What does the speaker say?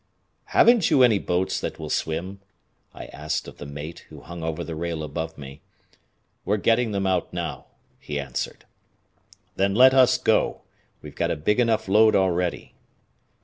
"Haven't you any boats that will swim?" I asked of the mate, who hung over the rail above me. "We're getting them out now," he answered. "Then let us go. We've got a big enough load already."